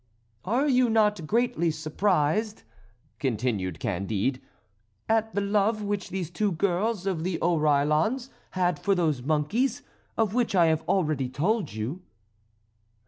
"Are you not greatly surprised," continued Candide, "at the love which these two girls of the Oreillons had for those monkeys, of which I have already told you?"